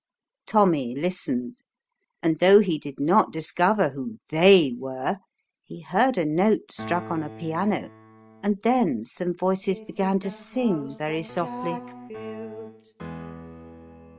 Tommy listened, and though he did not discover who "they" were, he heard a note struck on a piano, and th en some voices began to sing very softly : A disappointing rat.